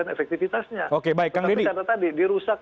efektivitasnya tapi di sana tadi dirusak